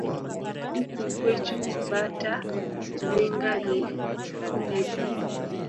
Huku kwechu bata ndhinga ni kathiithi